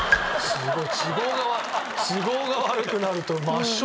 すごい。